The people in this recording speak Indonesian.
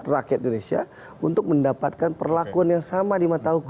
rakyat indonesia untuk mendapatkan perlakuan yang sama di mata hukum